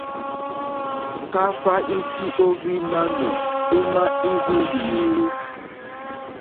Kahva iti o ohwi nanù ema i hwelì e?